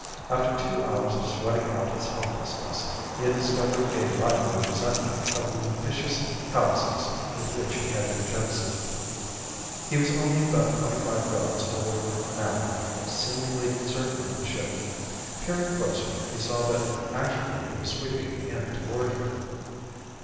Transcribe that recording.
After two hours of sweating out his helplessness, he had discovered a lively resentment of the vicious callousness with which he had been jettisoned. He was only about twenty five yards away now, seemingly circling the ship. Peering closer, he saw that actually he was sweeping in toward it.